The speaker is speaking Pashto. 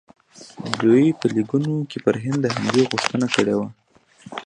دوی په لیکونو کې پر هند د حملې غوښتنه کړې وه.